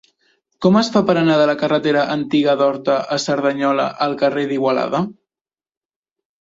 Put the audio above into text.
Com es fa per anar de la carretera Antiga d'Horta a Cerdanyola al carrer d'Igualada?